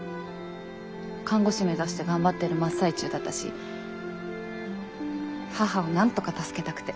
看護師目指して頑張ってる真っ最中だったし母をなんとか助けたくて。